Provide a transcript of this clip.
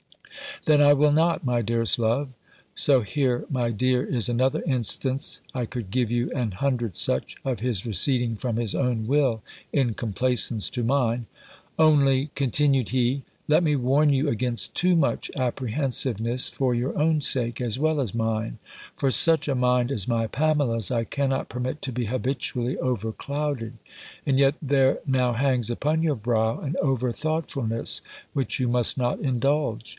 "Then I will not, my dearest love." (So here, my dear, is another instance I could give you an hundred such of his receding from his own will, in complaisance to mine.) "Only," continued he, "let me warn you against too much apprehensiveness, for your own sake, as well as mine; for such a mind as my Pamela's I cannot permit to be habitually over clouded. And yet there now hangs upon your brow an over thoughtfulness, which you must not indulge."